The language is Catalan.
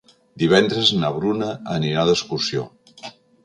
Divendres na Bruna anirà d'excursió.